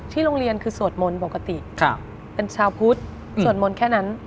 โรงเรียนคือสวดมนต์ปกติเป็นชาวพุทธสวดมนต์แค่นั้น